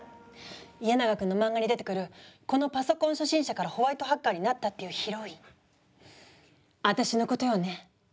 家長くんのマンガに出てくるこのパソコン初心者からホワイトハッカーになったっていうヒロイン私のことよね？